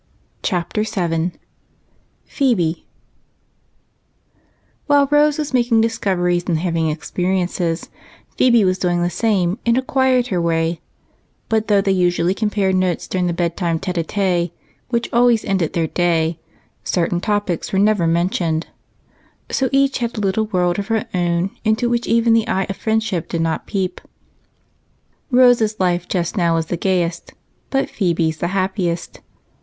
Chapter 7 PHEBE While Rose was making discoveries and having experiences, Phebe was doing the same in a quieter way, but though they usually compared notes during the bedtime tete a tete which always ended their day, certain topics were never mentioned, so each had a little world of her own into which even the eye of friendship did not peep. Rose's life just now was the gaiest but Phebe's the happiest.